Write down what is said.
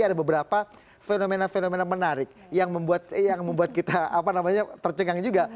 ada beberapa fenomena fenomena menarik yang membuat kita tercengang juga